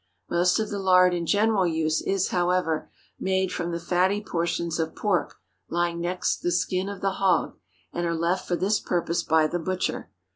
Most of the lard in general use is, however, made from the fatty portions of pork lying next the skin of the hog, and are left for this purpose by the butcher.